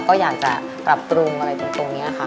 ก็อยากจะปรับปรุงอะไรตรงนี้ค่ะ